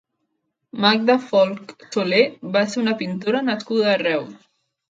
Magda Folch Solé va ser una pintora nascuda a Reus.